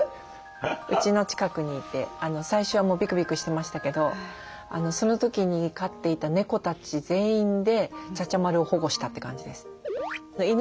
うちの近くにいて最初はもうビクビクしてましたけどその時に飼っていた猫たち全員で茶々丸を保護したって感じです。